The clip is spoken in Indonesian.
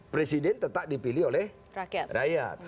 presiden tetap dipilih oleh rakyat